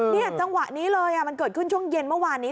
จังหวะนี้เลยมันเกิดขึ้นช่วงเย็นเมื่อวานนี้